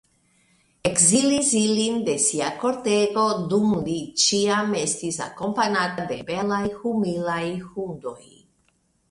Ekzilis ilin de sia kortego, dum li ĉiam estis akompanata de belaj humilaj hundoj.